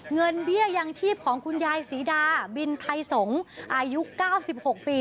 เบี้ยยังชีพของคุณยายศรีดาบินไทยสงศ์อายุ๙๖ปี